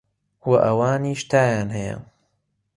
وە ئەوانیش تایان هەیە